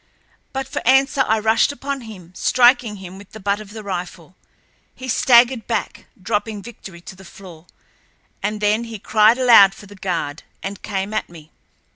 But for answer I rushed upon him, striking him with the butt of the rifle. He staggered back, dropping Victory to the floor, and then he cried aloud for the guard, and came at me.